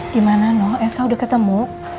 gimana noh elsa udah ketemu